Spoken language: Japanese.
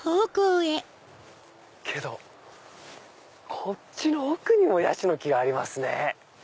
けどこっちの奥にもヤシの木がありますね。